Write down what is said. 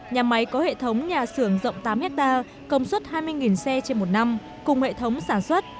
nhà máy có hệ thống nhà xưởng rộng tám hectare công suất hai mươi xe trên một năm cùng hệ thống sản xuất